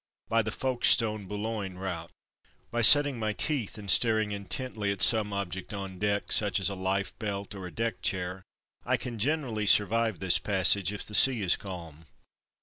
by the Folkestone Boulogne route. By setting my teeth and staring intently at some object on deck, such as a life belt, or a deck chair, I can generally survive this passage, if the sea is calm.